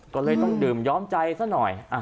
ก็เลยต้องดื่มย้อมใจซะหน่อย